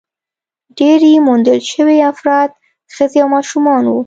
ډېری موندل شوي افراد ښځې او ماشومان وو.